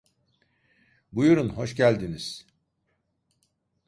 Buyurun, hoş geldiniz!